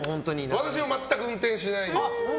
私は全く運転しないです。